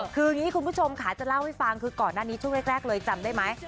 คืออย่างนี้คุณผู้ชมค่ะจะเล่าให้ฟังคือก่อนหน้านี้ช่วงแรกเลยจำได้ไหม